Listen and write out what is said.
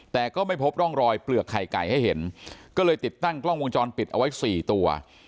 แต่ก็ไม่พบร่องรอยเปลือกไข่ไก่ให้เห็นก็เลยติดตั้งกล้องวงจรปิดเอาไว้สี่ตัว